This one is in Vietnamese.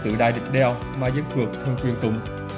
từ đài địch đèo mà dân phường thường quyền tùng